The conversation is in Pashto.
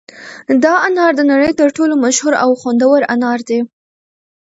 دا انار د نړۍ تر ټولو مشهور او خوندور انار دي.